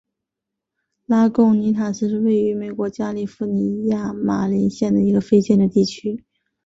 拉贡尼塔斯是位于美国加利福尼亚州马林县的一个非建制地区。